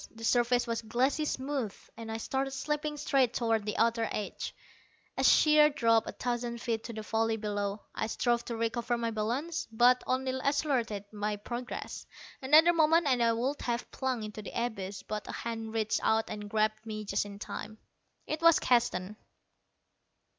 The surface was glassy smooth, and I started slipping straight toward the outer edge, a sheer drop of a thousand feet to the valley below. I strove to recover my balance, but only accelerated my progress. Another moment and I would have plunged into the abyss, but a hand reached out and grabbed me just in time. It was Keston.